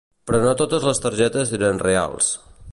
Però no totes les targetes eren reals.